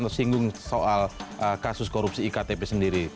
tidak beringung soal kasus korupsi ektp sendiri